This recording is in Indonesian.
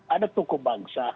ada tokoh bangsa